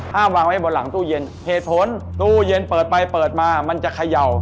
วางไว้บนหลังตู้เย็นเหตุผลตู้เย็นเปิดไปเปิดมามันจะเขย่า